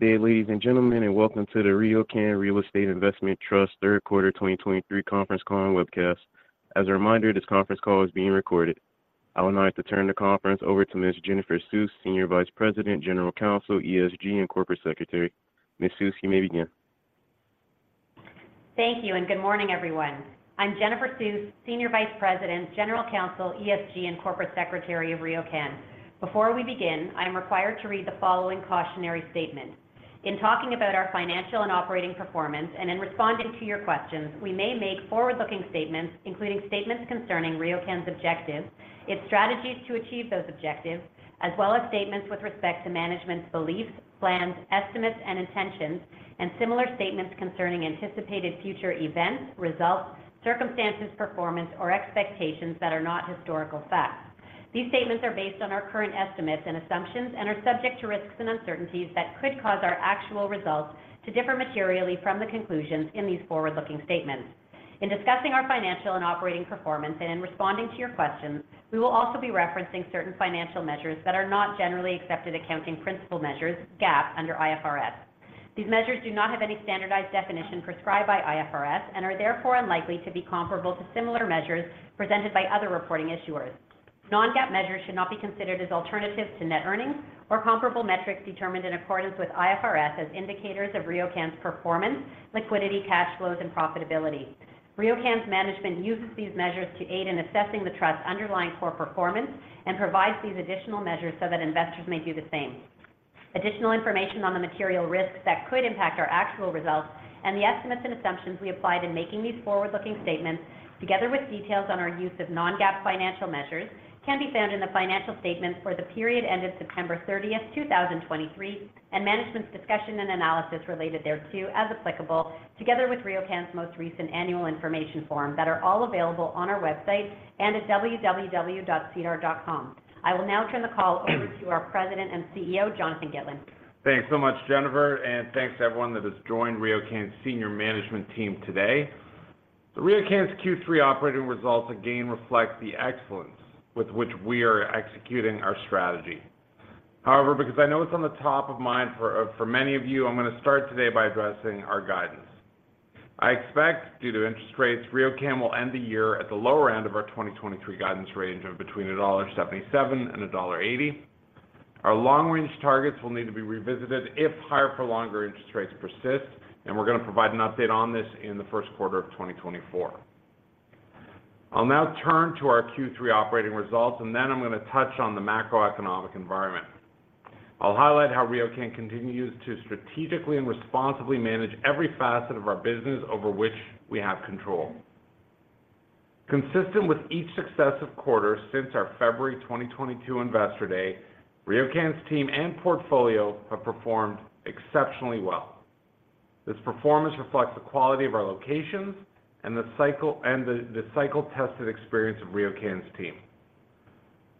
Good day, ladies and gentlemen, and welcome to the RioCan Real Estate Investment Trust third quarter 2023 conference call and webcast. As a reminder, this conference call is being recorded. I would now like to turn the conference over to Ms. Jennifer Suess, Senior Vice President, General Counsel, ESG, and Corporate Secretary. Ms. Suess, you may begin. Thank you, and good morning, everyone. I'm Jennifer Suess, Senior Vice President, General Counsel, ESG, and Corporate Secretary of RioCan. Before we begin, I'm required to read the following cautionary statement. In talking about our financial and operating performance, and in responding to your questions, we may make forward-looking statements, including statements concerning RioCan's objectives, its strategies to achieve those objectives, as well as statements with respect to management's beliefs, plans, estimates, and intentions, and similar statements concerning anticipated future events, results, circumstances, performance, or expectations that are not historical facts. These statements are based on our current estimates and assumptions and are subject to risks and uncertainties that could cause our actual results to differ materially from the conclusions in these forward-looking statements. In discussing our financial and operating performance and in responding to your questions, we will also be referencing certain financial measures that are not generally accepted accounting principles measures, GAAP, under IFRS. These measures do not have any standardized definition prescribed by IFRS and are therefore unlikely to be comparable to similar measures presented by other reporting issuers. Non-GAAP measures should not be considered as alternatives to net earnings or comparable metrics determined in accordance with IFRS as indicators of RioCan's performance, liquidity, cash flows, and profitability. RioCan's management uses these measures to aid in assessing the trust's underlying core performance and provides these additional measures so that investors may do the same. Additional information on the material risks that could impact our actual results and the estimates and assumptions we applied in making these forward-looking statements, together with details on our use of non-GAAP financial measures, can be found in the financial statements for the period ended September 30, 2023, and management's discussion and analysis related thereto, as applicable, together with RioCan's most recent annual information form, that are all available on our website and at www.sedar.com. I will now turn the call over to our President and CEO, Jonathan Gitlin. Thanks so much, Jennifer, and thanks to everyone that has joined RioCan's senior management team today. So RioCan's Q3 operating results again reflect the excellence with which we are executing our strategy. However, because I know it's on the top of mind for, for many of you, I'm going to start today by addressing our guidance. I expect, due to interest rates, RioCan will end the year at the lower end of our 2023 guidance range of between dollar 1.77 and dollar 1.80. Our long-range targets will need to be revisited if higher-for-longer interest rates persist, and we're going to provide an update on this in the first quarter of 2024. I'll now turn to our Q3 operating results, and then I'm going to touch on the macroeconomic environment. I'll highlight how RioCan continues to strategically and responsibly manage every facet of our business over which we have control. Consistent with each successive quarter since our February 2022 Investor Day, RioCan's team and portfolio have performed exceptionally well. This performance reflects the quality of our locations and the cycle, and the cycle-tested experience of RioCan's team.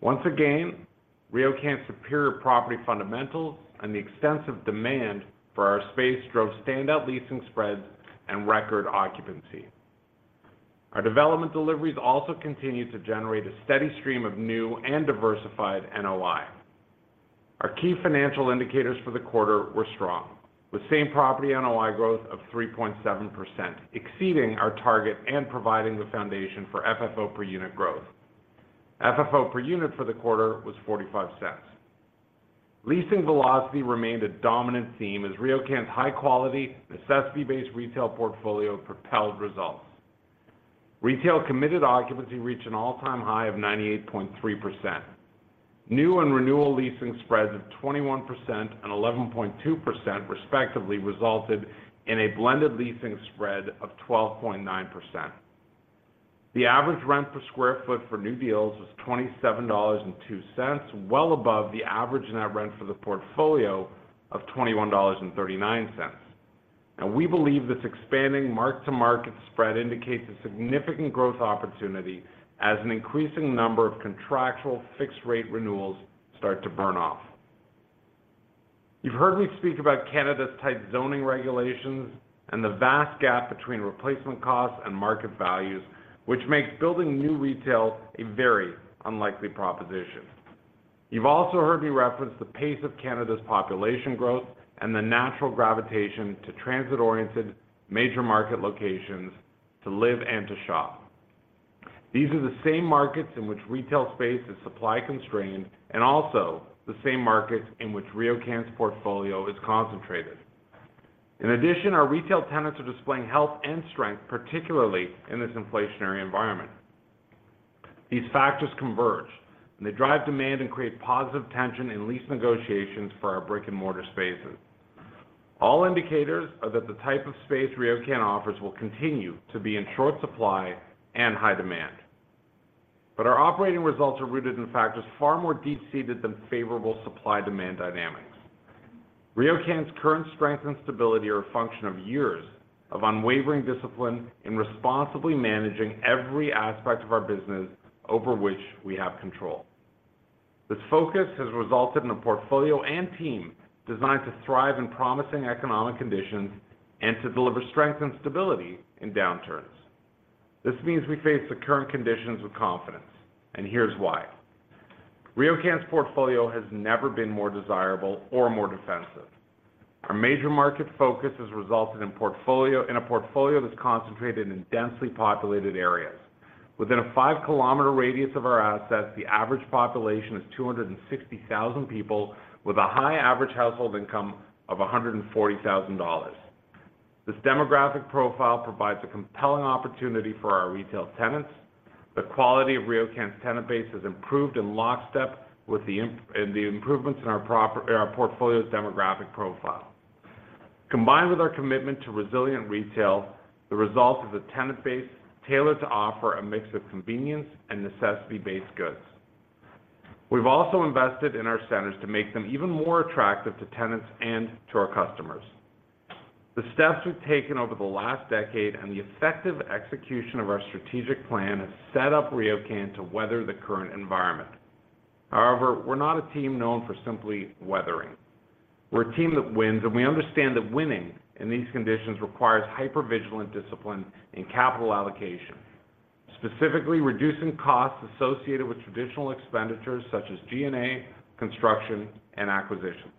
Once again, RioCan's superior property fundamentals and the extensive demand for our space drove standout leasing spreads and record occupancy. Our development deliveries also continued to generate a steady stream of new and diversified NOI. Our key financial indicators for the quarter were strong, with same-property NOI growth of 3.7%, exceeding our target and providing the foundation for FFO per unit growth. FFO per unit for the quarter was 0.45. Leasing velocity remained a dominant theme as RioCan's high-quality, necessity-based retail portfolio propelled results. Retail committed occupancy reached an all-time high of 98.3%. New and renewal leasing spreads of 21% and 11.2%, respectively, resulted in a blended leasing spread of 12.9%. The average rent per sq ft for new deals was 27.02 dollars, well above the average net rent for the portfolio of 21.39 dollars. Now, we believe this expanding mark-to-market spread indicates a significant growth opportunity as an increasing number of contractual fixed-rate renewals start to burn off. You've heard me speak about Canada's tight zoning regulations and the vast gap between replacement costs and market values, which makes building new retail a very unlikely proposition. You've also heard me reference the pace of Canada's population growth and the natural gravitation to transit-oriented major market locations to live and to shop. These are the same markets in which retail space is supply constrained and also the same markets in which RioCan's portfolio is concentrated. In addition, our retail tenants are displaying health and strength, particularly in this inflationary environment. These factors converge, and they drive demand and create positive tension in lease negotiations for our brick-and-mortar spaces. All indicators are that the type of space RioCan offers will continue to be in short supply and high demand. But our operating results are rooted in factors far more deep-seated than favorable supply-demand dynamics. RioCan's current strength and stability are a function of years of unwavering discipline in responsibly managing every aspect of our business over which we have control. This focus has resulted in a portfolio and team designed to thrive in promising economic conditions and to deliver strength and stability in downturns. This means we face the current conditions with confidence, and here's why. RioCan's portfolio has never been more desirable or more defensive. Our major market focus has resulted in a portfolio that's concentrated in densely populated areas. Within a five-kilometer radius of our assets, the average population is 260,000 people, with a high average household income of 140,000 dollars. This demographic profile provides a compelling opportunity for our retail tenants. The quality of RioCan's tenant base has improved in lockstep with the improvements in our portfolio's demographic profile. Combined with our commitment to resilient retail, the result is a tenant base tailored to offer a mix of convenience and necessity-based goods. We've also invested in our centers to make them even more attractive to tenants and to our customers. The steps we've taken over the last decade and the effective execution of our strategic plan has set up RioCan to weather the current environment. However, we're not a team known for simply weathering. We're a team that wins, and we understand that winning in these conditions requires hyper-vigilant discipline and capital allocation, specifically reducing costs associated with traditional expenditures such as G&A, construction, and acquisitions.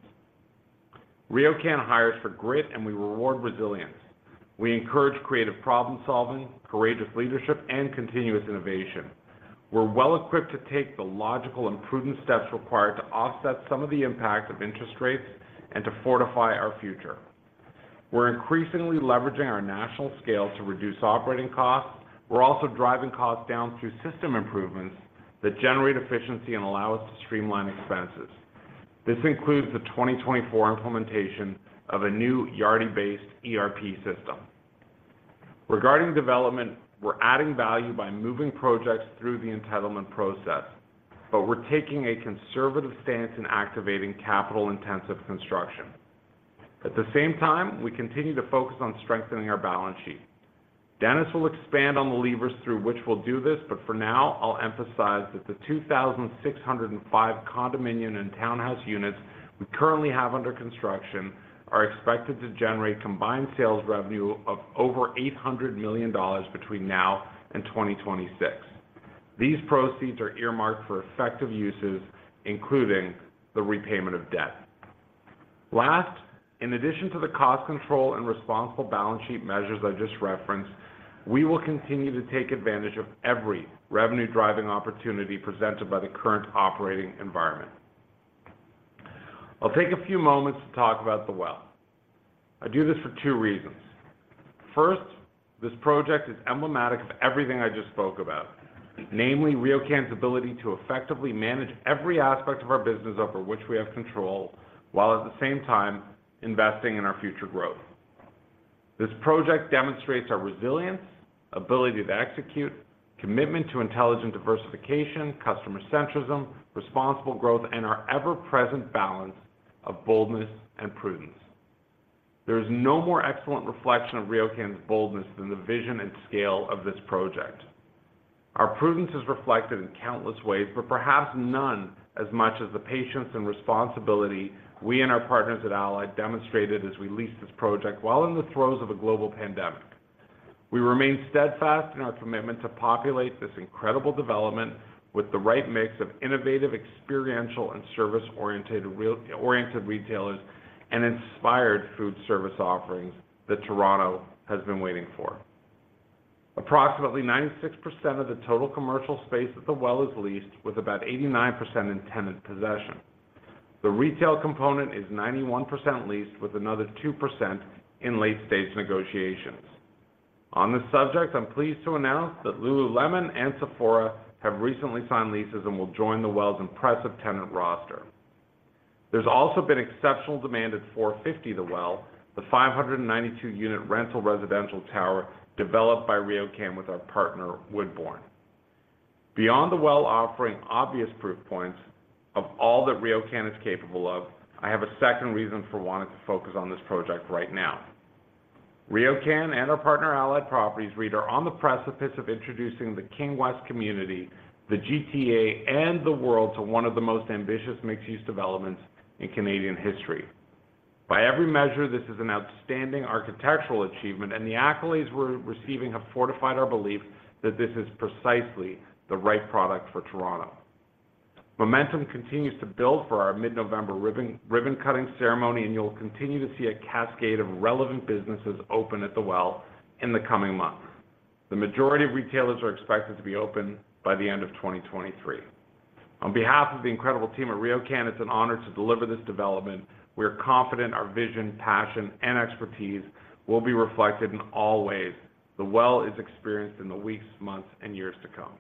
RioCan hires for grit, and we reward resilience. We encourage creative problem-solving, courageous leadership, and continuous innovation. We're well-equipped to take the logical and prudent steps required to offset some of the impact of interest rates and to fortify our future. We're increasingly leveraging our national scale to reduce operating costs. We're also driving costs down through system improvements that generate efficiency and allow us to streamline expenses. This includes the 2024 implementation of a new Yardi-based ERP system. Regarding development, we're adding value by moving projects through the entitlement process, but we're taking a conservative stance in activating capital-intensive construction. At the same time, we continue to focus on strengthening our balance sheet. Dennis will expand on the levers through which we'll do this, but for now, I'll emphasize that the 2,605 condominium and townhouse units we currently have under construction are expected to generate combined sales revenue of over 800 million dollars between now and 2026. These proceeds are earmarked for effective uses, including the repayment of debt. Last, in addition to the cost control and responsible balance sheet measures I just referenced, we will continue to take advantage of every revenue-driving opportunity presented by the current operating environment. I'll take a few moments to talk about The Well. I do this for two reasons. First, this project is emblematic of everything I just spoke about, namely, RioCan's ability to effectively manage every aspect of our business over which we have control, while at the same time investing in our future growth. This project demonstrates our resilience, ability to execute, commitment to intelligent diversification, customer centrism, responsible growth, and our ever-present balance of boldness and prudence. There is no more excellent reflection of RioCan's boldness than the vision and scale of this project. Our prudence is reflected in countless ways, but perhaps none as much as the patience and responsibility we and our partners at Allied demonstrated as we leased this project while in the throes of a global pandemic. We remain steadfast in our commitment to populate this incredible development with the right mix of innovative, experiential, and service-oriented retailers and inspired food service offerings that Toronto has been waiting for. Approximately 96% of the total commercial space at The Well is leased, with about 89% in tenant possession. The retail component is 91% leased, with another 2% in late-stage negotiations. On this subject, I'm pleased to announce that Lululemon and Sephora have recently signed leases and will join The Well's impressive tenant roster. There's also been exceptional demand at 450 The Well, the 592-unit rental residential tower developed by RioCan with our partner, Woodbourne. Beyond The Well offering obvious proof points of all that RioCan is capable of, I have a second reason for wanting to focus on this project right now. RioCan and our partner, Allied Properties REIT, are on the precipice of introducing the King West community, the GTA, and the world to one of the most ambitious mixed-use developments in Canadian history. By every measure, this is an outstanding architectural achievement, and the accolades we're receiving have fortified our belief that this is precisely the right product for Toronto. Momentum continues to build for our mid-November ribbon-cutting ceremony, and you'll continue to see a cascade of relevant businesses open at The Well in the coming months. The majority of retailers are expected to be open by the end of 2023. On behalf of the incredible team at RioCan, it's an honor to deliver this development. We are confident our vision, passion, and expertise will be reflected in all ways The Well is experienced in the weeks, months, and years to come.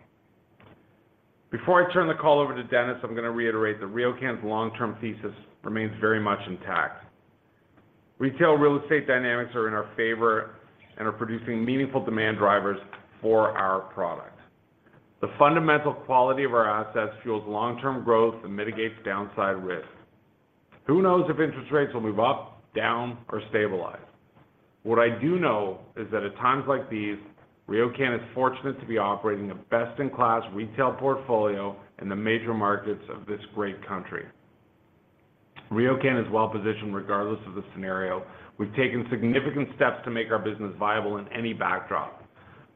Before I turn the call over to Dennis, I'm gonna reiterate that RioCan's long-term thesis remains very much intact. Retail real estate dynamics are in our favor and are producing meaningful demand drivers for our product. The fundamental quality of our assets fuels long-term growth and mitigates downside risk. Who knows if interest rates will move up, down, or stabilize? What I do know is that at times like these, RioCan is fortunate to be operating a best-in-class retail portfolio in the major markets of this great country. RioCan is well positioned regardless of the scenario. We've taken significant steps to make our business viable in any backdrop.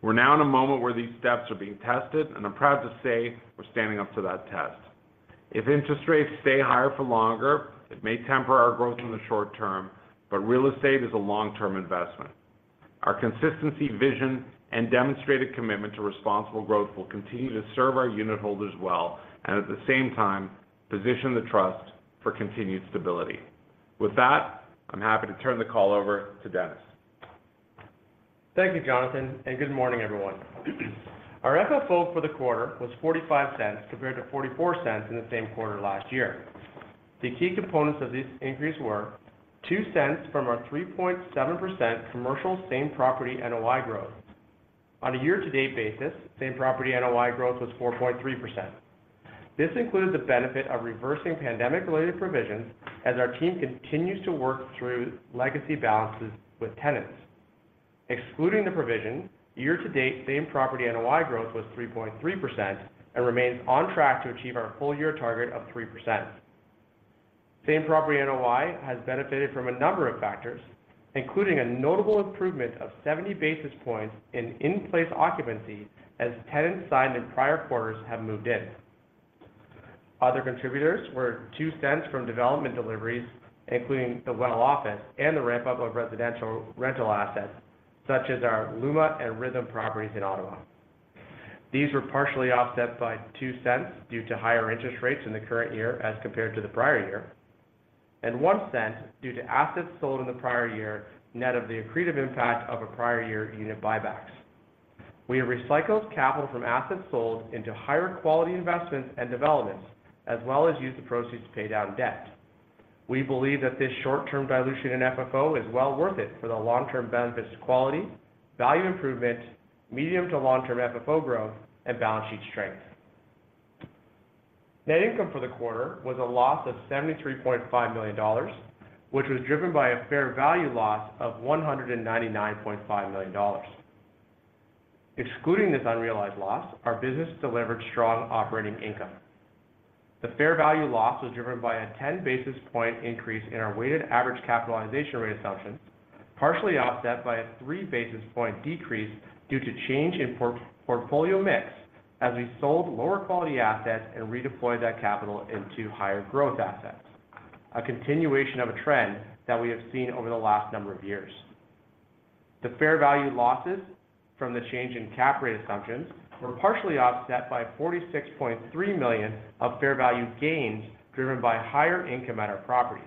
We're now in a moment where these steps are being tested, and I'm proud to say we're standing up to that test. If interest rates stay higher for longer, it may temper our growth in the short term, but real estate is a long-term investment. Our consistency, vision, and demonstrated commitment to responsible growth will continue to serve our unitholders well, and at the same time, position the trust for continued stability. With that, I'm happy to turn the call over to Dennis. Thank you, Jonathan, and good morning, everyone. Our FFO for the quarter was 0.45, compared to 0.44 in the same quarter last year. The key components of this increase were 0.02 from our 3.7% commercial same-property NOI growth. On a year-to-date basis, same-property NOI growth was 4.3%. This includes the benefit of reversing pandemic-related provisions as our team continues to work through legacy balances with tenants. Excluding the provision, year-to-date, same-property NOI growth was 3.3% and remains on track to achieve our full year target of 3%. Same-property NOI has benefited from a number of factors, including a notable improvement of 70 basis points in-place occupancy as tenants signed in prior quarters have moved in. Other contributors were 0.02 from development deliveries, including The Well office and the ramp-up of residential rental assets, such as our Luma and Rhythm properties in Ottawa. These were partially offset by 0.02 due to higher interest rates in the current year as compared to the prior year, and 0.01 due to assets sold in the prior year, net of the accretive impact of a prior year unit buybacks. We have recycled capital from assets sold into higher quality investments and developments, as well as used the proceeds to pay down debt. We believe that this short-term dilution in FFO is well worth it for the long-term benefits of quality, value improvement, medium to long-term FFO growth, and balance sheet strength. Net income for the quarter was a loss of 73.5 million dollars, which was driven by a fair value loss of 199.5 million dollars. Excluding this unrealized loss, our business delivered strong operating income. The fair value loss was driven by a 10 basis point increase in our weighted average capitalization rate assumption, partially offset by a 3 basis point decrease due to change in portfolio mix as we sold lower quality assets and redeployed that capital into higher growth assets, a continuation of a trend that we have seen over the last number of years. The fair value losses from the change in cap rate assumptions were partially offset by 46.3 million of fair value gains, driven by higher income at our properties.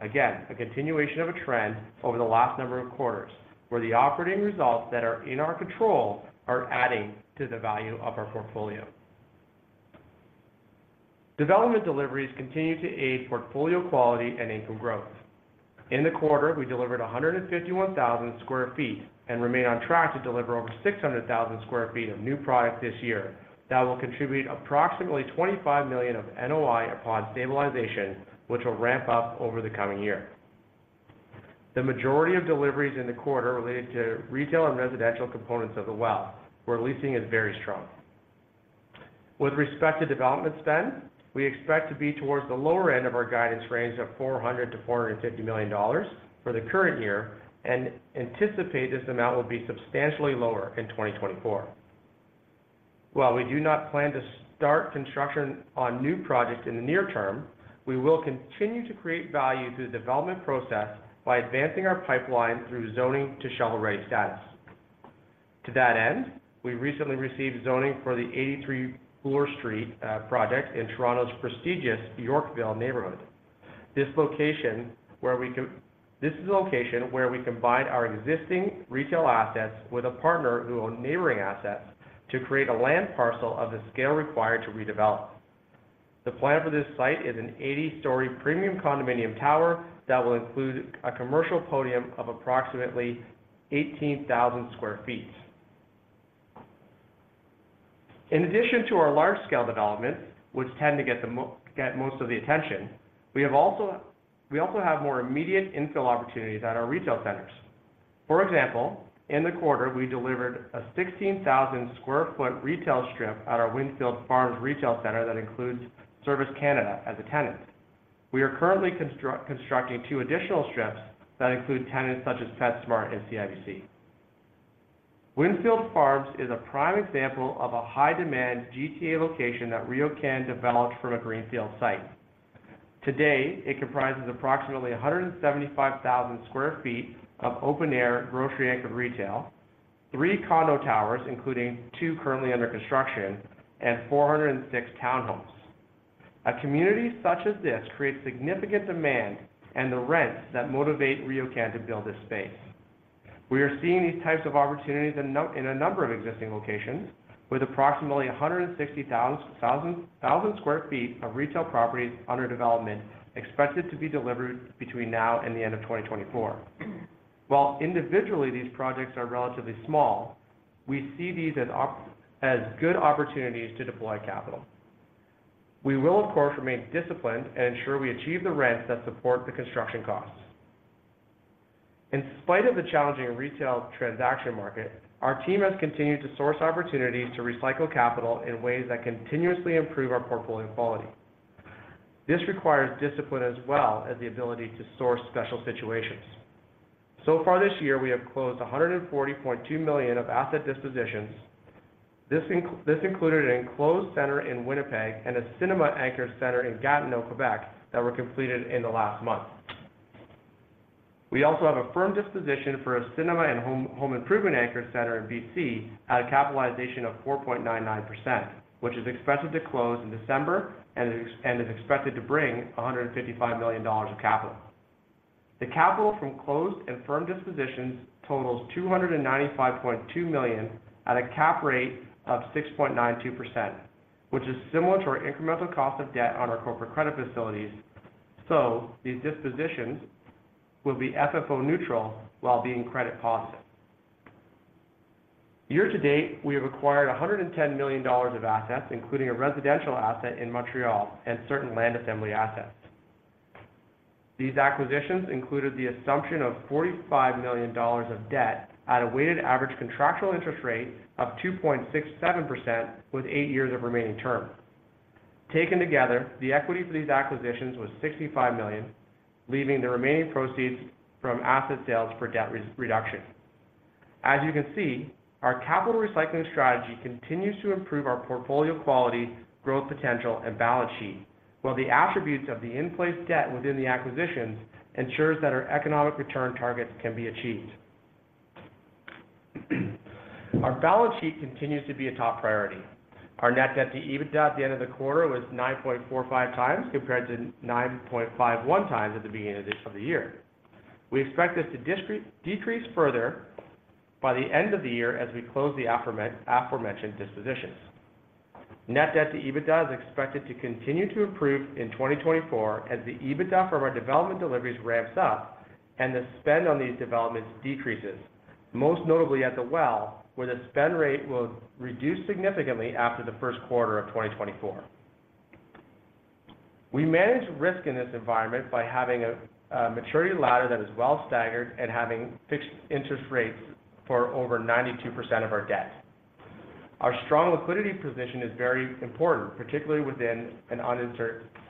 Again, a continuation of a trend over the last number of quarters, where the operating results that are in our control are adding to the value of our portfolio. Development deliveries continue to aid portfolio quality and income growth. In the quarter, we delivered 151,000 sq ft and remain on track to deliver over 600,000 sq ft of new product this year. That will contribute approximately 25 million of NOI upon stabilization, which will ramp up over the coming year. The majority of deliveries in the quarter related to retail and residential components of The Well, where leasing is very strong. With respect to development spend, we expect to be towards the lower end of our guidance range of 400-450 million dollars for the current year, and anticipate this amount will be substantially lower in 2024. While we do not plan to start construction on new projects in the near term, we will continue to create value through the development process by advancing our pipeline through zoning to shovel-ready status. To that end, we recently received zoning for the 83 Bloor Street project in Toronto's prestigious Yorkville neighborhood. This is a location where we combined our existing retail assets with a partner who owned neighboring assets to create a land parcel of the scale required to redevelop. The plan for this site is an 80-story premium condominium tower that will include a commercial podium of approximately 18,000 sq ft. In addition to our large-scale developments, which tend to get most of the attention, we also have more immediate infill opportunities at our retail centers. For example, in the quarter, we delivered a 16,000 sq ft retail strip at our Windfield Farms Retail Center that includes Service Canada as a tenant. We are currently constructing two additional strips that include tenants such as PetSmart and CIBC. Windfield Farms is a prime example of a high-demand GTA location that RioCan developed from a greenfield site. Today, it comprises approximately 175,000 sq ft of open-air, grocery-anchored retail, three condo towers, including two currently under construction, and 406 townhomes. A community such as this creates significant demand and the rents that motivate RioCan to build this space. We are seeing these types of opportunities in a number of existing locations, with approximately 160,000 sq ft of retail properties under development, expected to be delivered between now and the end of 2024. While individually, these projects are relatively small, we see these as good opportunities to deploy capital. We will, of course, remain disciplined and ensure we achieve the rents that support the construction costs. In spite of the challenging retail transaction market, our team has continued to source opportunities to recycle capital in ways that continuously improve our portfolio quality. This requires discipline as well as the ability to source special situations. So far this year, we have closed 140.2 million of asset dispositions. This included an enclosed center in Winnipeg and a cinema anchor center in Gatineau, Quebec, that were completed in the last month. We also have a firm disposition for a cinema and home improvement anchor center in BC at a capitalization of 4.99%, which is expected to close in December, and is expected to bring 155 million dollars of capital. The capital from closed and firm dispositions totals 295.2 million at a cap rate of 6.92%, which is similar to our incremental cost of debt on our corporate credit facilities. So these dispositions will be FFO neutral while being credit positive. Year to date, we have acquired 110 million dollars of assets, including a residential asset in Montreal and certain land assembly assets. These acquisitions included the assumption of 45 million dollars of debt at a weighted average contractual interest rate of 2.67%, with 8 years of remaining term. Taken together, the equity for these acquisitions was 65 million, leaving the remaining proceeds from asset sales for debt reduction. As you can see, our capital recycling strategy continues to improve our portfolio quality, growth potential, and balance sheet, while the attributes of the in-place debt within the acquisitions ensures that our economic return targets can be achieved. Our balance sheet continues to be a top priority. Our net debt to EBITDA at the end of the quarter was 9.45 times, compared to 9.51 times at the beginning of the year. We expect this to decrease further by the end of the year as we close the aforementioned dispositions. Net debt to EBITDA is expected to continue to improve in 2024, as the EBITDA from our development deliveries ramps up and the spend on these developments decreases, most notably at The Well, where the spend rate will reduce significantly after the first quarter of 2024. We manage risk in this environment by having a maturity ladder that is well staggered and having fixed interest rates for over 92% of our debt. Our strong liquidity position is very important, particularly within an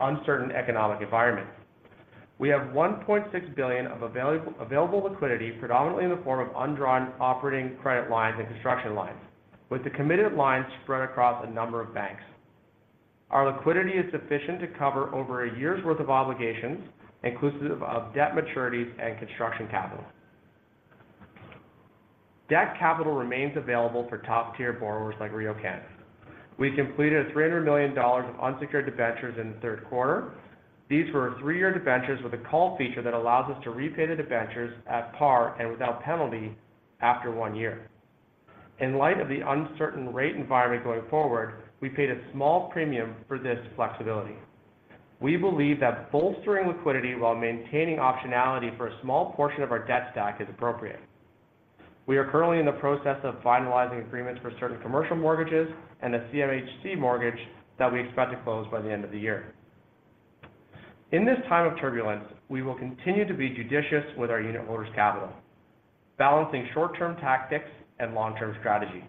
uncertain economic environment. We have 1.6 billion of available liquidity, predominantly in the form of undrawn operating credit lines and construction lines, with the committed lines spread across a number of banks. Our liquidity is sufficient to cover over a year's worth of obligations, inclusive of debt maturities and construction capital. Debt capital remains available for top-tier borrowers like RioCan. We completed 300 million dollars of unsecured debentures in the third quarter. These were 3-year debentures with a call feature that allows us to repay the debentures at par and without penalty after one year. In light of the uncertain rate environment going forward, we paid a small premium for this flexibility. We believe that bolstering liquidity while maintaining optionality for a small portion of our debt stack is appropriate. We are currently in the process of finalizing agreements for certain commercial mortgages and a CMHC mortgage that we expect to close by the end of the year. In this time of turbulence, we will continue to be judicious with our unitholders' capital, balancing short-term tactics and long-term strategy.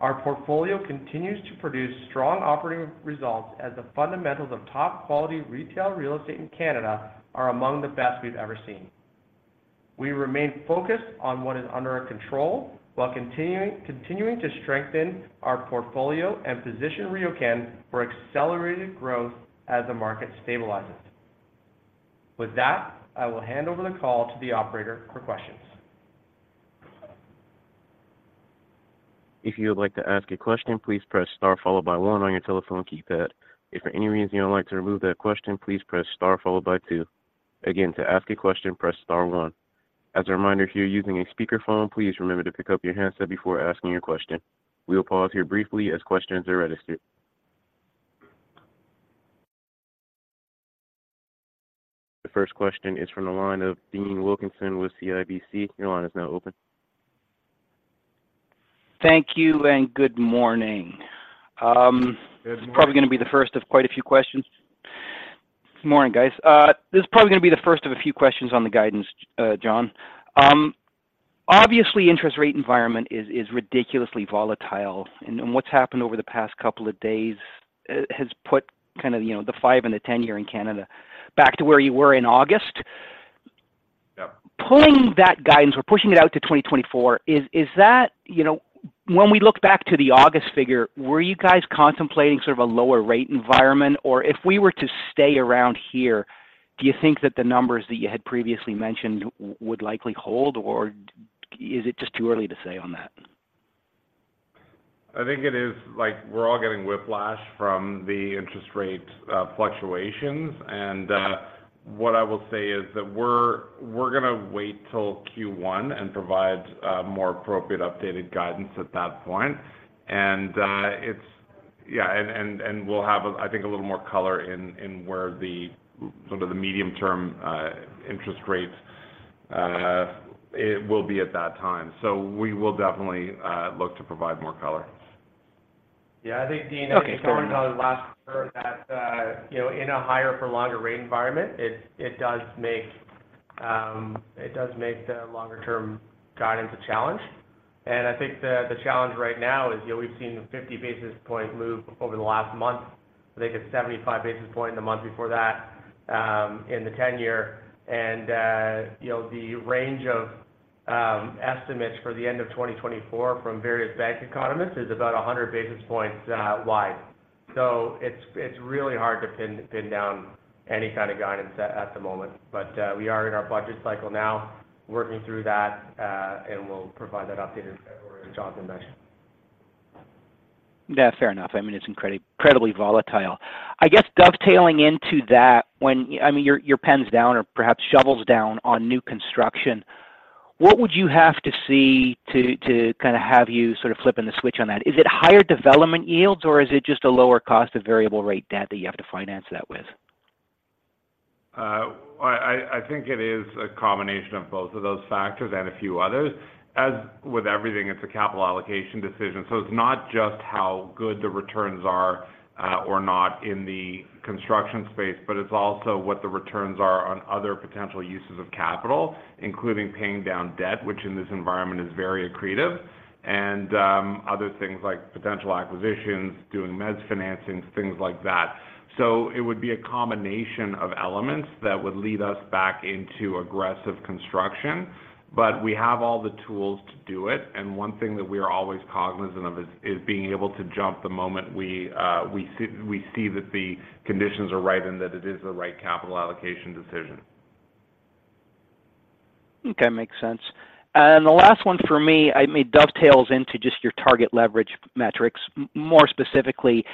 Our portfolio continues to produce strong operating results as the fundamentals of top-quality retail real estate in Canada are among the best we've ever seen. We remain focused on what is under our control, while continuing to strengthen our portfolio and position RioCan for accelerated growth as the market stabilizes. With that, I will hand over the call to the operator for questions. If you would like to ask a question, please press star followed by one on your telephone keypad. If for any reason you would like to remove that question, please press star followed by two. Again, to ask a question, press star one. As a reminder, if you're using a speakerphone, please remember to pick up your handset before asking your question. We will pause here briefly as questions are registered. The first question is from the line of Dean Wilkinson with CIBC. Your line is now open. Thank you, and good morning. Good morning. This is probably going to be the first of quite a few questions. Morning, guys. This is probably going to be the first of a few questions on the guidance, John. Obviously, interest rate environment is ridiculously volatile, and what's happened over the past couple of days has put kind of, you know, the five and the ten year in Canada back to where you were in August. Yeah. Pulling that guidance or pushing it out to 2024, is that, you know... When we look back to the August figure, were you guys contemplating sort of a lower rate environment? Or if we were to stay around here, do you think that the numbers that you had previously mentioned would likely hold, or is it just too early to say on that? I think it is like we're all getting whiplash from the interest rate fluctuations. And what I will say is that we're going to wait till Q1 and provide more appropriate updated guidance at that point. And it's yeah, and we'll have, I think, a little more color in where the sort of the medium-term interest rates it will be at that time. So we will definitely look to provide more color.... Yeah, I think, Dean, I think last heard that you know, in a higher for longer rate environment, it does make it does make the longer-term guidance a challenge. And I think the challenge right now is you know, we've seen a 50 basis point move over the last month. I think a 75 basis point the month before that, in the 10-year. And, you know, the range of estimates for the end of 2024 from various bank economists is about 100 basis points wide. So it's really hard to pin, pin down any kind of guidance at the moment. But, we are in our budget cycle now, working through that, and we'll provide that update in February with Jonathan next. Yeah, fair enough. I mean, it's incredibly, incredibly volatile. I guess dovetailing into that, I mean, your pen's down or perhaps shovel's down on new construction. What would you have to see to kinda have you sort of flipping the switch on that? Is it higher development yields, or is it just a lower cost of variable rate debt that you have to finance that with? I think it is a combination of both of those factors and a few others. As with everything, it's a capital allocation decision, so it's not just how good the returns are, or not in the construction space, but it's also what the returns are on other potential uses of capital, including paying down debt, which in this environment is very accretive, and other things like potential acquisitions, doing mezz financings, things like that. So it would be a combination of elements that would lead us back into aggressive construction, but we have all the tools to do it, and one thing that we are always cognizant of is being able to jump the moment we see that the conditions are right and that it is the right capital allocation decision. Okay, makes sense. And the last one for me, I mean, dovetails into just your target leverage metrics, more specifically,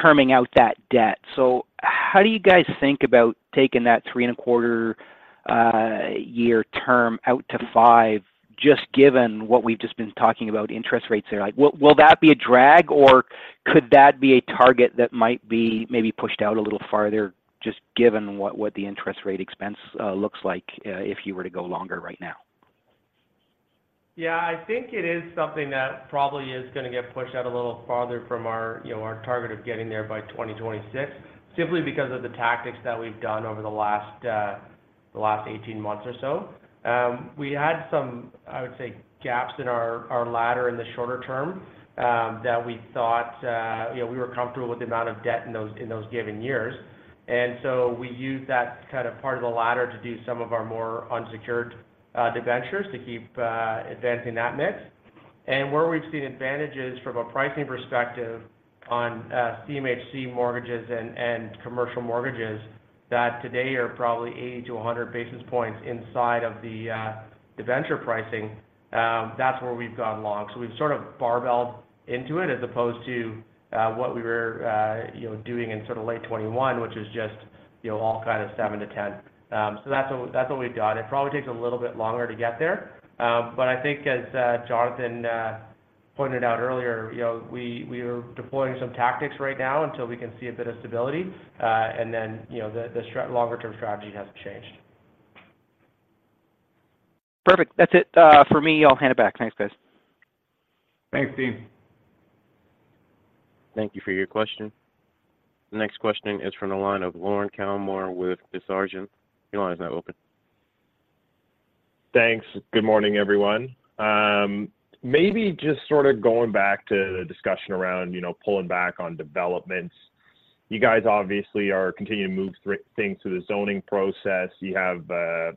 terming out that debt. So how do you guys think about taking that 3.25-year term out to 5, just given what we've just been talking about, interest rates are like? Will that be a drag, or could that be a target that might be maybe pushed out a little farther, just given what the interest rate expense looks like, if you were to go longer right now? Yeah, I think it is something that probably is gonna get pushed out a little farther from our, you know, our target of getting there by 2026, simply because of the tactics that we've done over the last 18 months or so. We had some, I would say, gaps in our ladder in the shorter term, that we thought, you know, we were comfortable with the amount of debt in those given years. And so we used that kind of part of the ladder to do some of our more unsecured debentures to keep advancing that mix. And where we've seen advantages from a pricing perspective on CMHC mortgages and commercial mortgages, that today are probably 80-100 basis points inside of the debenture pricing, that's where we've gone long. So we've sort of barbelled into it, as opposed to what we were, you know, doing in sort of late 2021, which is just, you know, all kind of 7-10. So that's what, that's what we've done. It probably takes a little bit longer to get there, but I think as Jonathan pointed out earlier, you know, we, we are deploying some tactics right now until we can see a bit of stability, and then, you know, the, the longer-term strategy hasn't changed. Perfect. That's it, for me. I'll hand it back. Thanks, guys. Thanks, Dean. Thank you for your question. The next question is from the line of Lorne Kalmar with Desjardins. Your line is now open. Thanks. Good morning, everyone. Maybe just sort of going back to the discussion around, you know, pulling back on developments. You guys obviously are continuing to move things through the zoning process. You have a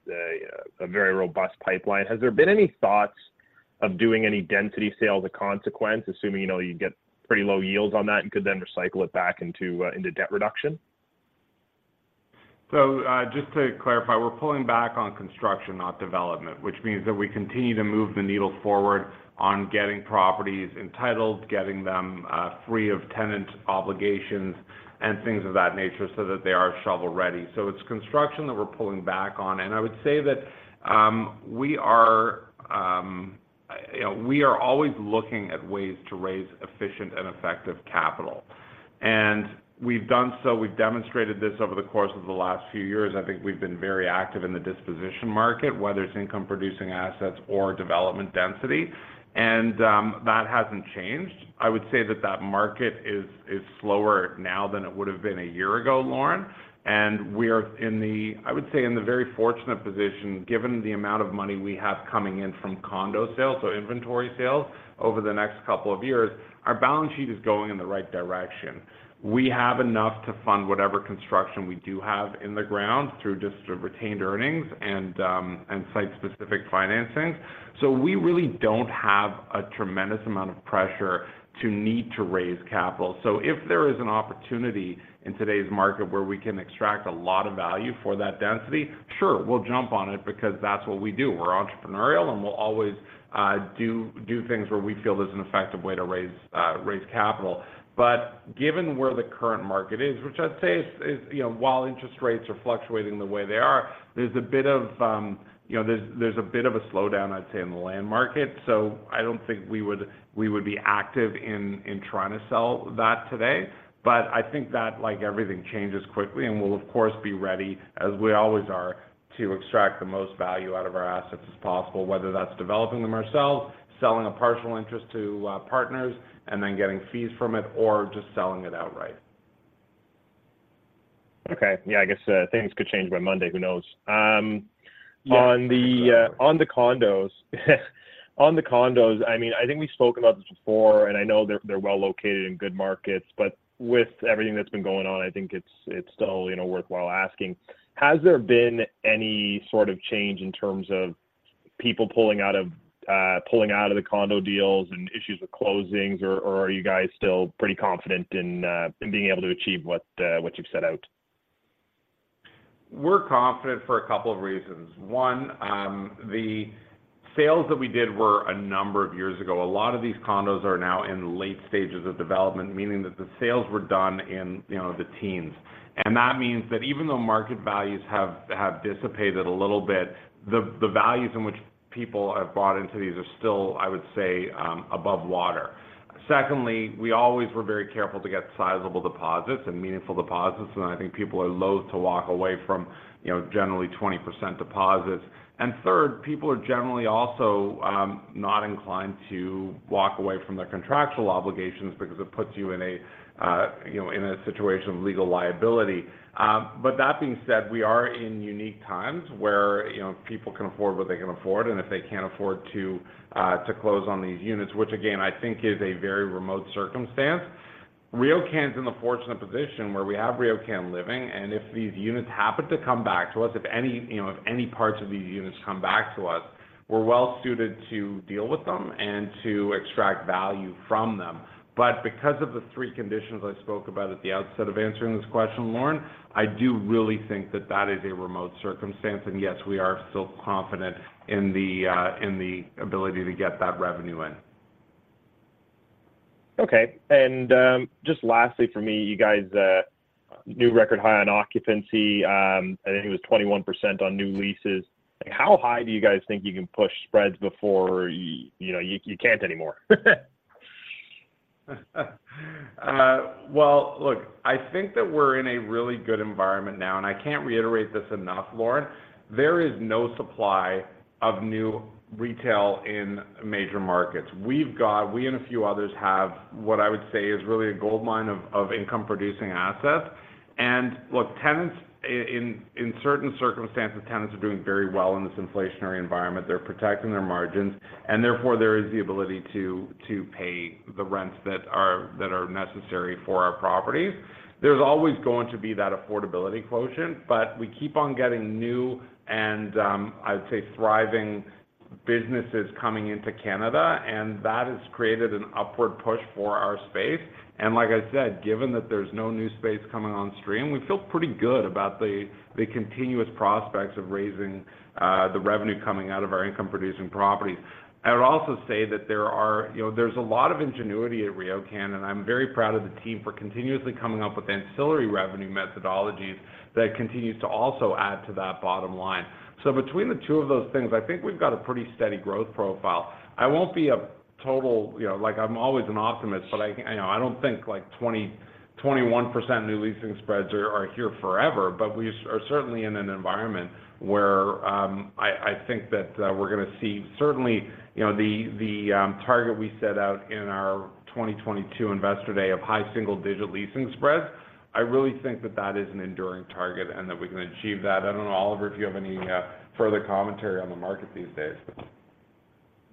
very robust pipeline. Has there been any thoughts of doing any density sales of consequence, assuming, you know, you'd get pretty low yields on that, you could then recycle it back into debt reduction? So, just to clarify, we're pulling back on construction, not development, which means that we continue to move the needle forward on getting properties entitled, getting them, free of tenant obligations and things of that nature so that they are shovel-ready. So it's construction that we're pulling back on. And I would say that, we are, you know, we are always looking at ways to raise efficient and effective capital. And we've done so, we've demonstrated this over the course of the last few years. I think we've been very active in the disposition market, whether it's income producing assets or development density, and, that hasn't changed. I would say that market is slower now than it would have been a year ago, Lorne, and we are in the, I would say, in the very fortunate position, given the amount of money we have coming in from condo sales, so inventory sales over the next couple of years, our balance sheet is going in the right direction. We have enough to fund whatever construction we do have in the ground through just the retained earnings and, and site-specific financings. So we really don't have a tremendous amount of pressure to need to raise capital. So if there is an opportunity in today's market where we can extract a lot of value for that density, sure, we'll jump on it because that's what we do. We're entrepreneurial, and we'll always do things where we feel there's an effective way to raise capital. But given where the current market is, which I'd say is, you know, while interest rates are fluctuating the way they are, there's a bit of, you know, there's a bit of a slowdown, I'd say, in the land market. So I don't think we would be active in trying to sell that today. But I think that, like everything changes quickly, and we'll, of course, be ready, as we always are... to extract the most value out of our assets as possible, whether that's developing them ourselves, selling a partial interest to partners, and then getting fees from it, or just selling it outright. Okay. Yeah, I guess, things could change by Monday, who knows? Yeah. On the, on the condos, on the condos, I mean, I think we've spoken about this before, and I know they're, they're well located in good markets, but with everything that's been going on, I think it's, it's still, you know, worthwhile asking: Has there been any sort of change in terms of people pulling out of, pulling out of the condo deals and issues with closings, or, or are you guys still pretty confident in, in being able to achieve what, what you've set out? We're confident for a couple of reasons. One, the sales that we did were a number of years ago. A lot of these condos are now in late stages of development, meaning that the sales were done in, you know, the teens. And that means that even though market values have dissipated a little bit, the values in which people have bought into these are still, I would say, above water. Secondly, we always were very careful to get sizable deposits and meaningful deposits, and I think people are loathe to walk away from, you know, generally 20% deposits. And third, people are generally also not inclined to walk away from their contractual obligations because it puts you in a, you know, in a situation of legal liability. But that being said, we are in unique times where, you know, people can afford what they can afford, and if they can't afford to close on these units, which again, I think is a very remote circumstance, RioCan is in the fortunate position where we have RioCan Living, and if these units happen to come back to us, if any, you know, if any parts of these units come back to us, we're well suited to deal with them and to extract value from them. But because of the three conditions I spoke about at the outset of answering this question, Lorne, I do really think that that is a remote circumstance, and yes, we are still confident in the ability to get that revenue in. Okay. And, just lastly for me, you guys, new record high on occupancy, I think it was 21% on new leases. How high do you guys think you can push spreads before you know, you can't anymore? Well, look, I think that we're in a really good environment now, and I can't reiterate this enough, Lorne, there is no supply of new retail in major markets. We've got—we and a few others have what I would say is really a goldmine of income-producing assets. And look, tenants in certain circumstances, tenants are doing very well in this inflationary environment. They're protecting their margins, and therefore, there is the ability to pay the rents that are necessary for our properties. There's always going to be that affordability quotient, but we keep on getting new and, I would say, thriving businesses coming into Canada, and that has created an upward push for our space. And like I said, given that there's no new space coming on stream, we feel pretty good about the continuous prospects of raising the revenue coming out of our income-producing properties. I would also say that there are... You know, there's a lot of ingenuity at RioCan, and I'm very proud of the team for continuously coming up with ancillary revenue methodologies that continues to also add to that bottom line. So between the two of those things, I think we've got a pretty steady growth profile. I won't be a total, you know... Like, I'm always an optimist, but I, you know, I don't think like 21% new leasing spreads are here forever, but we are certainly in an environment where, I, I think that, we're gonna see certainly, you know, the, the, target we set out in our 2022 Investor Day of high single-digit leasing spreads. I really think that that is an enduring target and that we can achieve that. I don't know, Oliver, if you have any, further commentary on the market these days, but-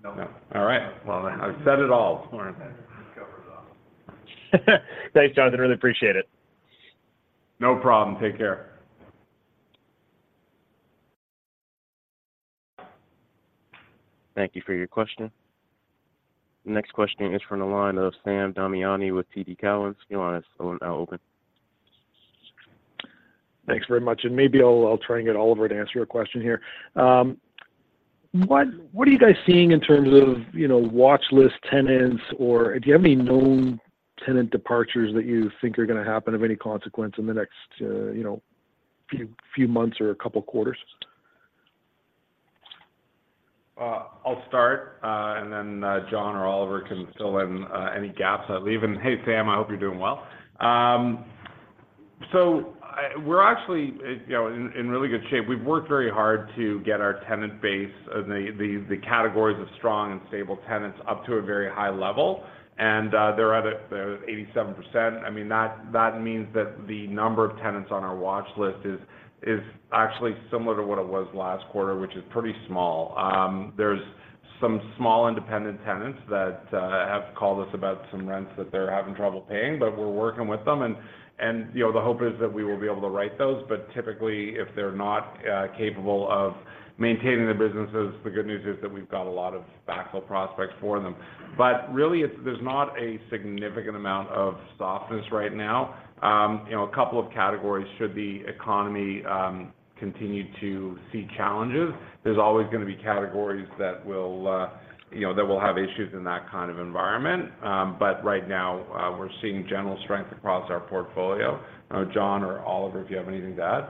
No. All right. Well, I've said it all, Lorne. Cover it all. Thanks, Jonathan. Really appreciate it. No problem. Take care. Thank you for your question. Next question is from the line of Sam Damiani with TD Cowen. Your line is now open. Thanks very much, and maybe I'll try and get Oliver to answer your question here. What are you guys seeing in terms of, you know, watch list tenants, or do you have any known tenant departures that you think are gonna happen of any consequence in the next, you know, few months or a couple quarters? I'll start, and then John or Oliver can fill in any gaps I leave. And hey, Sam, I hope you're doing well. We're actually, you know, in really good shape. We've worked very hard to get our tenant base of the categories of strong and stable tenants up to a very high level, and they're at 87%. I mean, that means that the number of tenants on our watch list is actually similar to what it was last quarter, which is pretty small. There's some small independent tenants that have called us about some rents that they're having trouble paying, but we're working with them, and you know, the hope is that we will be able to right those. But typically, if they're not capable of maintaining their businesses, the good news is that we've got a lot of backup prospects for them. But really, it's- there's not a significant amount of softness right now. You know, a couple of categories should the economy continue to see challenges. There's always gonna be categories that will, you know, that will have issues in that kind of environment. But right now, we're seeing general strength across our portfolio. Jon or Oliver, if you have anything to add?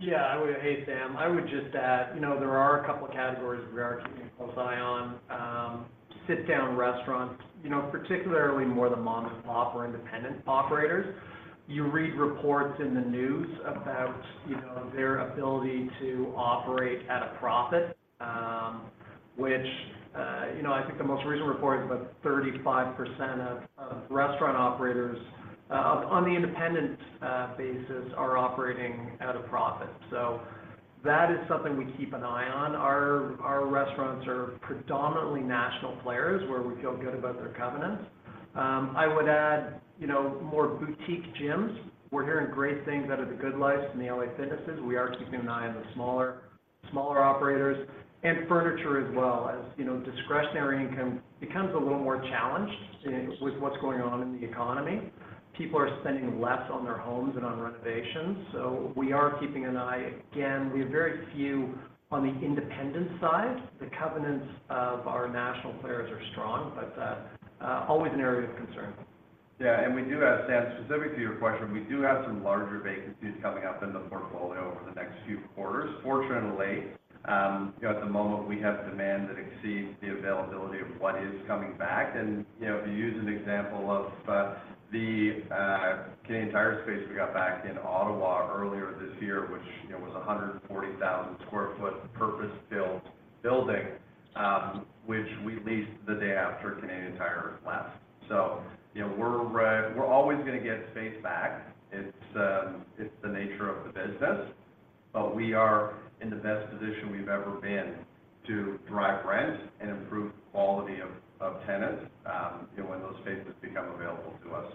Yeah, I would... Hey, Sam, I would just add, you know, there are a couple of categories we are keeping a close eye on.... sit-down restaurants, you know, particularly more the mom-and-pop or independent operators. You read reports in the news about, you know, their ability to operate at a profit, which, you know, I think the most recent report is about 35% of, of restaurant operators, on the independent, basis, are operating at a profit. So that is something we keep an eye on. Our, our restaurants are predominantly national players, where we feel good about their covenants. I would add, you know, more boutique gyms. We're hearing great things out of the GoodLifes and the LA Fitnesses. We are keeping an eye on the smaller, smaller operators. Furniture as well, as you know, discretionary income becomes a little more challenged in with what's going on in the economy. People are spending less on their homes and on renovations, so we are keeping an eye. Again, we have very few on the independent side. The covenants of our national players are strong, but always an area of concern. Yeah, and we do have, Sam, specific to your question, we do have some larger vacancies coming up in the portfolio over the next few quarters. Fortunately, you know, at the moment, we have demand that exceeds the availability of what is coming back. And, you know, to use an example of the Canadian Tire space we got back in Ottawa earlier this year, which, you know, was a 140,000 sq ft purpose-built building, which we leased the day after Canadian Tire left. So, you know, we're always going to get space back. It's the nature of the business, but we are in the best position we've ever been to drive rent and improve the quality of tenants, you know, when those spaces become available to us.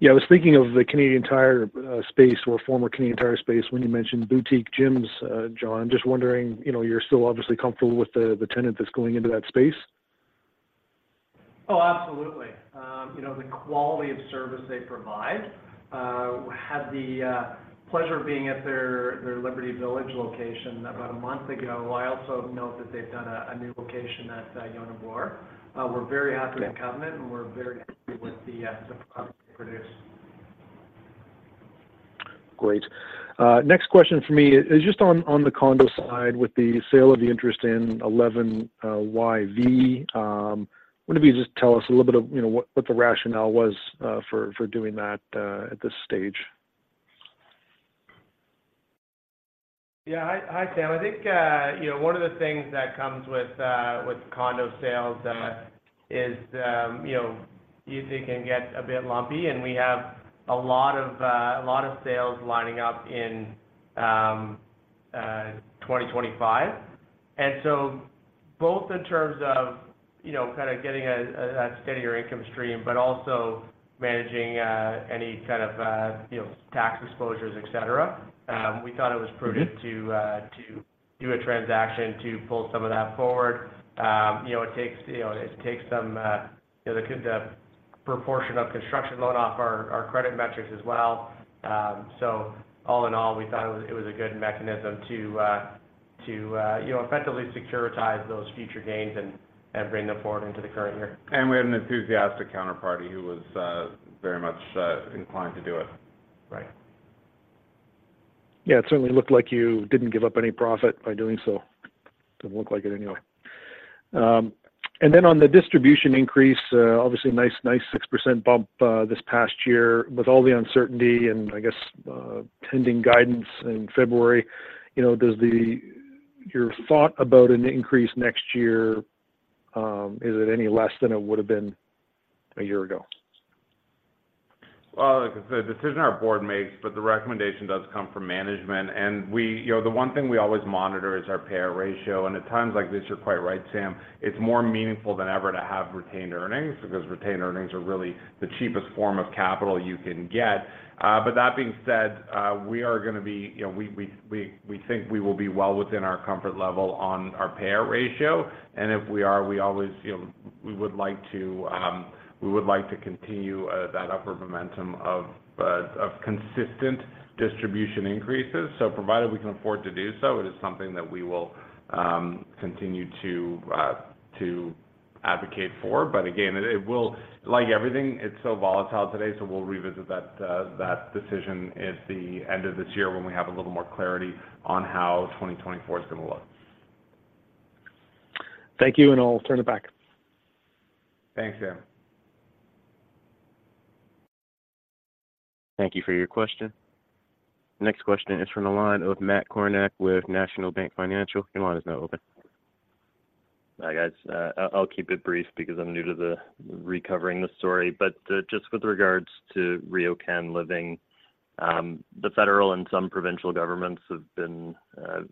Yeah, I was thinking of the Canadian Tire space or former Canadian Tire space when you mentioned boutique gyms, John. Just wondering, you know, you're still obviously comfortable with the tenant that's going into that space? Oh, absolutely. You know, the quality of service they provide had the pleasure of being at their Liberty Village location about a month ago. I also note that they've done a new location at Yonge-Eglinton. We're very happy- Yeah... with the covenant, and we're very happy with the product they produce. Great. Next question from me is just on the condo side with the sale of the interest in 11 YV. Wonder if you could just tell us a little bit of, you know, what the rationale was for doing that at this stage? Yeah. Hi, hi, Sam. I think, you know, one of the things that comes with, with condo sales, is, you know, you think it can get a bit lumpy, and we have a lot of, a lot of sales lining up in, 2025. And so both in terms of, you know, kind of getting a, a, a steadier income stream, but also managing, any kind of, you know, tax exposures, et cetera, we thought it was prudent- Mm-hmm... to, to do a transaction to pull some of that forward. You know, it takes, you know, it takes some, you know, the proportion of construction load off our credit metrics as well. So all in all, we thought it was a good mechanism to, you know, effectively securitize those future gains and bring them forward into the current year. We had an enthusiastic counterparty who was, very much, inclined to do it. Right. Yeah, it certainly looked like you didn't give up any profit by doing so. Didn't look like it anyway. And then on the distribution increase, obviously, nice, nice 6% bump, this past year. With all the uncertainty and, I guess, pending guidance in February, you know, does the, your thought about an increase next year, is it any less than it would have been a year ago? Well, look, it's a decision our board makes, but the recommendation does come from management. You know, the one thing we always monitor is our payout ratio, and at times like this, you're quite right, Sam, it's more meaningful than ever to have retained earnings, because retained earnings are really the cheapest form of capital you can get. But that being said, we are going to be, you know, we think we will be well within our comfort level on our payout ratio, and if we are, we always, you know, we would like to continue that upward momentum of consistent distribution increases. So provided we can afford to do so, it is something that we will continue to advocate for. But again, it will, like everything, it's so volatile today, so we'll revisit that, that decision at the end of this year when we have a little more clarity on how 2024 is going to look. Thank you, and I'll turn it back. Thanks, Sam. Thank you for your question. Next question is from the line of Matt Kornack with National Bank Financial. Your line is now open. Hi, guys. I'll keep it brief because I'm new to covering the story. But just with regards to RioCan Living, the federal and some provincial governments have been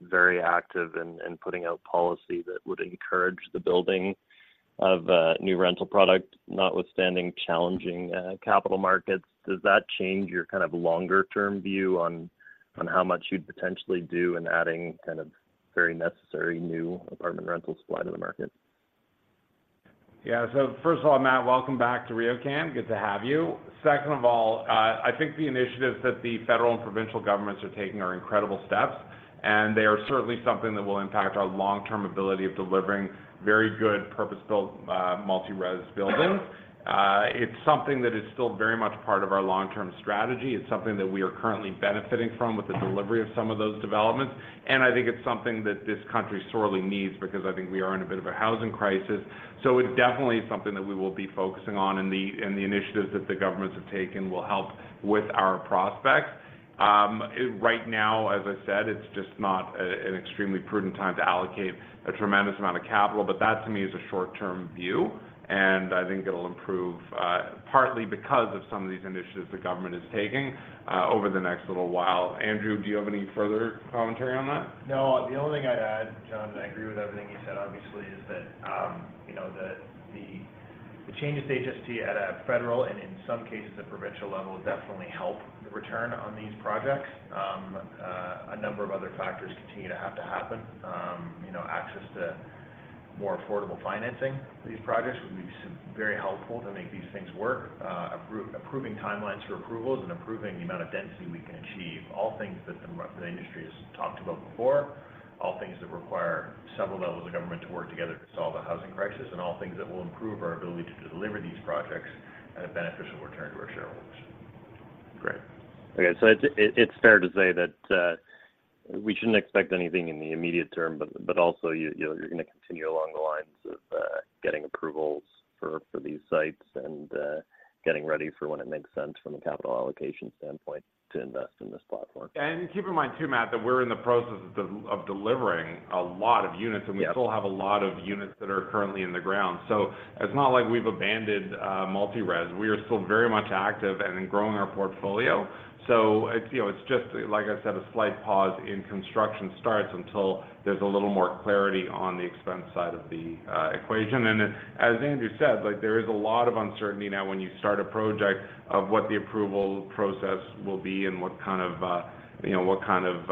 very active in putting out policy that would encourage the building of new rental product, notwithstanding challenging capital markets. Does that change your kind of longer-term view on how much you'd potentially do in adding kind of very necessary new apartment rental supply to the market?... Yeah, so first of all, Matt, welcome back to RioCan. Good to have you. Second of all, I think the initiatives that the federal and provincial governments are taking are incredible steps, and they are certainly something that will impact our long-term ability of delivering very good purpose-built, multi-res buildings. It's something that is still very much part of our long-term strategy. It's something that we are currently benefiting from with the delivery of some of those developments. And I think it's something that this country sorely needs, because I think we are in a bit of a housing crisis. So it definitely is something that we will be focusing on, and the, and the initiatives that the governments have taken will help with our prospects. Right now, as I said, it's just not an extremely prudent time to allocate a tremendous amount of capital, but that, to me, is a short-term view, and I think it'll improve, partly because of some of these initiatives the government is taking, over the next little while. Andrew, do you have any further commentary on that? No. The only thing I'd add, Jonathan, I agree with everything you said, obviously, is that, you know, the changes they just see at a federal and in some cases, the provincial level, will definitely help the return on these projects. A number of other factors continue to have to happen. You know, access to more affordable financing for these projects would be very helpful to make these things work. Approving timelines for approvals and improving the amount of density we can achieve, all things that the industry has talked about before, all things that require several levels of government to work together to solve a housing crisis, and all things that will improve our ability to deliver these projects at a beneficial return to our shareholders. Great. Okay, so it's fair to say that we shouldn't expect anything in the immediate term, but also you're going to continue along the lines of getting approvals for these sites and getting ready for when it makes sense from a capital allocation standpoint to invest in this platform. Keep in mind, too, Matt, that we're in the process of delivering a lot of units- Yeah We still have a lot of units that are currently in the ground. So it's not like we've abandoned multi-res. We are still very much active and in growing our portfolio. So it's, you know, it's just, like I said, a slight pause in construction starts until there's a little more clarity on the expense side of the equation. And as Andrew said, like, there is a lot of uncertainty now when you start a project, of what the approval process will be and what kind of you know what kind of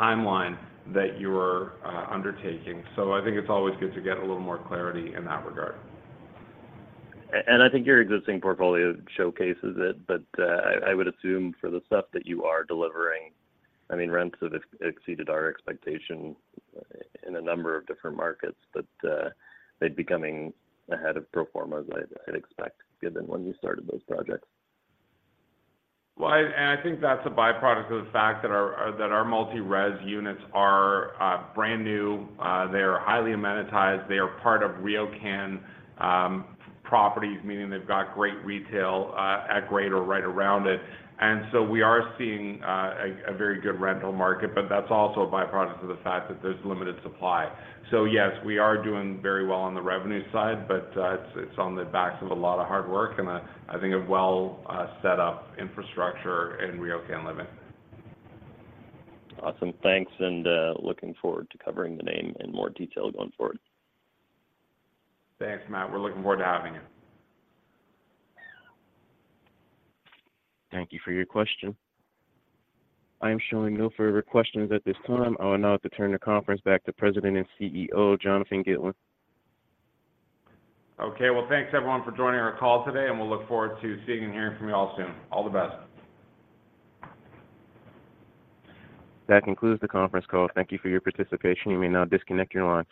timeline that you're undertaking. So I think it's always good to get a little more clarity in that regard. And I think your existing portfolio showcases it, but I would assume for the stuff that you are delivering, I mean, rents have exceeded our expectation in a number of different markets, but they're becoming ahead of pro formas, I'd expect, given when you started those projects. Well, I think that's a byproduct of the fact that our multi-res units are brand new. They are highly amenitized. They are part of RioCan properties, meaning they've got great retail at grade or right around it. And so we are seeing a very good rental market, but that's also a byproduct of the fact that there's limited supply. So yes, we are doing very well on the revenue side, but it's on the backs of a lot of hard work and I think a well set up infrastructure in RioCan Living. Awesome. Thanks, and looking forward to covering the name in more detail going forward. Thanks, Matt. We're looking forward to having you. Thank you for your question. I am showing no further questions at this time. I will now turn the conference back to President and CEO, Jonathan Gitlin. Okay. Well, thanks everyone for joining our call today, and we'll look forward to seeing and hearing from you all soon. All the best. That concludes the conference call. Thank you for your participation. You may now disconnect your line.